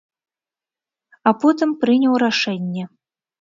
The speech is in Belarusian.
А потым прыняў рашэнне.